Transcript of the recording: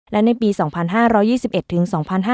และในปี๒๕๒๑ถึง๒๕๕๙